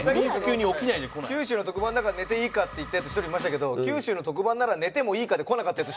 九州の特番だから寝ていいかって言ったヤツ１人いましたけど九州の特番なら寝てもいいかで来なかったヤツ